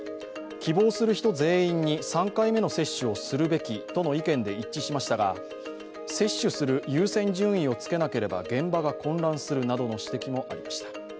希望する人全員に３回目の接種をするべきとの意見で一致しましたが、接種する優先順位をつけなければ現場が混乱するなどの指摘もありました。